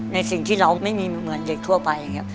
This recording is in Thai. ในสิ่งที่เราไม่มีเหมือนเด็กทั่วไปอย่างนี้